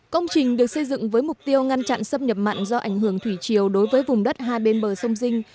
công trình được xây dựng với mục tiêu ngăn chặn xâm nhập mặn do ảnh hưởng thủy chiều đối với vùng đất hai bên bờ sông dinh